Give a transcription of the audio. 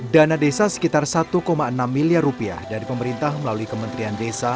dana desa sekitar satu enam miliar rupiah dari pemerintah melalui kementerian desa